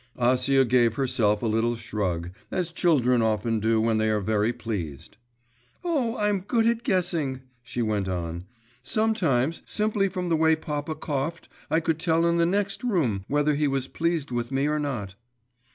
Acia gave herself a little shrug, as children often do when they are very pleased. 'Oh, I'm good at guessing!' she went on. 'Sometimes, simply from the way papa coughed, I could tell in the next room whether he was pleased with me or not.